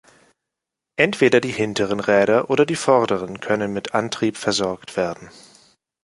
Entweder die hinteren Räder oder die vorderen können mit Antrieb versorgt werden.